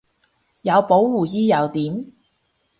有保護衣又點